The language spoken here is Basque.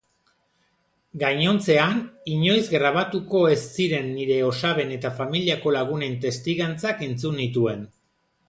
Gainontzean inoiz grabatuko ez ziren nire osaben eta familiako lagunen testigantzak entzun nituen.